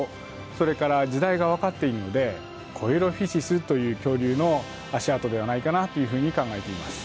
それから時代がわかっているのでコエロフィシスという恐竜の足跡ではないかなというふうに考えています。